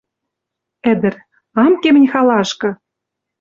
Ӹдӹр: «Ам ке мӹнь халашкы.